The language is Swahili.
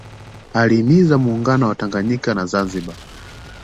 Alihimiza Muungano wa Tanganyika na Zanzibar